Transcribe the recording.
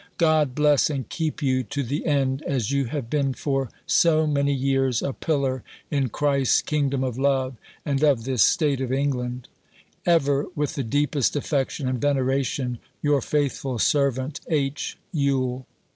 God bless and keep you to the end, as you have been for so many years, a pillar in Christ's Kingdom of Love and of this state of England. Ever, with the deepest affection and veneration, your faithful servant, H. Yule."